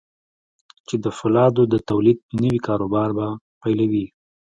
چې د پولادو د توليد نوي کاروبار به پيلوي.